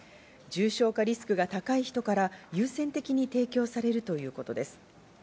重症化リスクが高い人から優先的に提供されるということです。